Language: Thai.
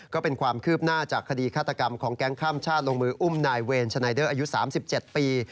ก็เป็นความคืบหน้าจากคดีฆาตกรรมของแก๊งข้ามชาติลงมืออุ้มนายเวรชนายเดอร์อายุ๓๗ปี